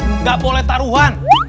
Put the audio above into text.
enggak boleh taruhan